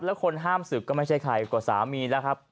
แล้วคนห้ามศึกก็ไม่ใช่ใครก็สามีแล้วครับ